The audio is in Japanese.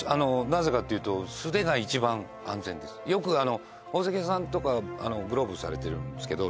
なぜかっていうとよく宝石屋さんとかグローブされてるんですけど